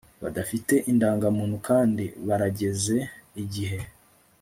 badafite indangamuntu kandi barageze igihe